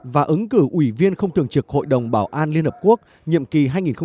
và ứng cử ủy viên không thường trực hội đồng bảo an liên hợp quốc nhiệm kỳ hai nghìn hai mươi hai nghìn hai mươi một